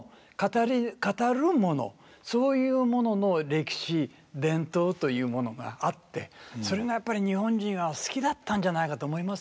語る物そういうものの歴史伝統というものがあってそれがやっぱり日本人は好きだったんじゃないかと思いますね。